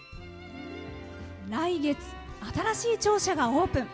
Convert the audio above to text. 来月、新しい庁舎がオープン。